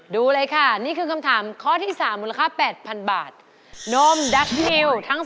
ดูเลยค่ะนี่คือคำถามข้อที่๓มูลค่า๘๐๐๐บาท